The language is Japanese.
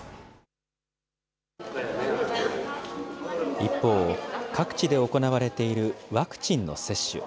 一方、各地で行われているワクチンの接種。